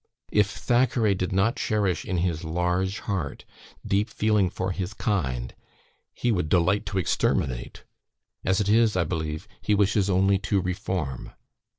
"If Thackeray did not cherish in his large heart deep feeling for his kind, he would delight to exterminate; as it is, I believe, he wishes only to reform.